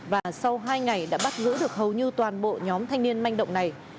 và sau hai ngày đã bắt giữ được hầu như toàn bộ nhóm thanh niên manh động này